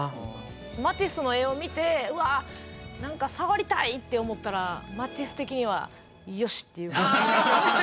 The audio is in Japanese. マティスの絵を見てうわなんか触りたいって思ったらマティス的には「よし！」という感じですね。